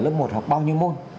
lớp một học bao nhiêu môn